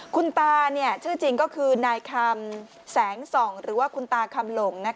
คุณตาชื่อจริงก็คือนายคำแสงส่องหรือว่าคุณตาคำหลง